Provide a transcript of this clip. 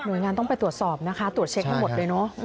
โดยงานต้องไปตรวจสอบนะคะตรวจเช็คให้หมดเลยเนอะ